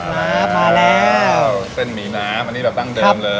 มาแล้วเส้นหมี่น้ำอันนี้แบบดั้งเดิมเลย